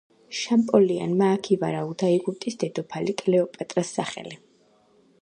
შამპოლიონმა აქ ივარაუდა ეგვიპტის დედოფალი კლეოპატრას სახელი.